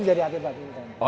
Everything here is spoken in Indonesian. jadi atlet pak hinton